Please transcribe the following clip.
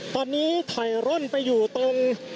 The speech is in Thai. ตอนนี้ถอยร่นไปอยู่ตรง